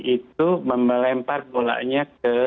itu melempar bolanya